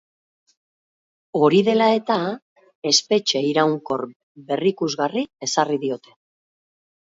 Hori dela eta, espetxe iraunkor berrikusgarri ezarri diote.